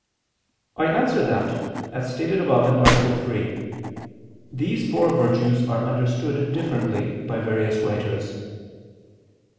I answer that, As stated above (A. 3), these four virtues are understood differently by various writers.